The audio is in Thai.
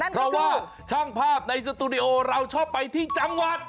เพราะว่าช่างภาพในสตูดิโอเราชอบไปที่จังหวัด